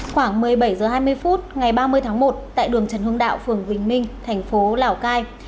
khoảng một mươi bảy h hai mươi phút ngày ba mươi tháng một tại đường trần hưng đạo phường bình minh thành phố lào cai